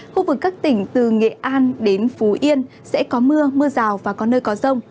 khu vực các tỉnh từ nghệ an đến phú yên sẽ có mưa mưa rào và có nơi có rông